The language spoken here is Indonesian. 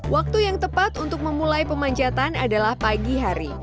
waktu yang tepat untuk memulai pemanjatan adalah pagi hari